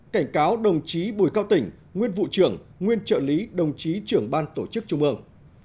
cảnh cáo đồng chí bùi cao tỉnh nguyên vụ trưởng nguyên trợ lý đồng chí trưởng ban tổ chức trung ương